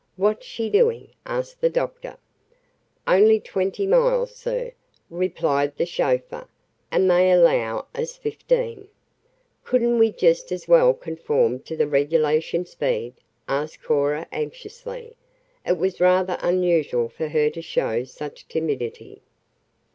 "What's she doing?" asked the doctor. "Only twenty miles, sir," replied the chauffeur, "and they allow us fifteen." "Couldn't we just as well conform to the regulation speed?" asked Cora anxiously. It was rather unusual for her to show such timidity.